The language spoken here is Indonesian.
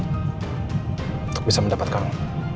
untuk bisa mendapatkan lo